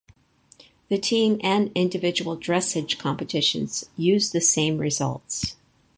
The team and individual dressage competitions used the same results.